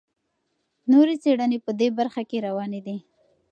نورې څېړنې په دې برخه کې روانې دي.